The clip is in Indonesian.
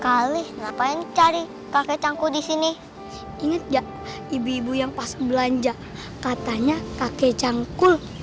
kali ngapain cari kakek cangkul di sini ingat ibu ibu yang pas belanja katanya kakek cangkul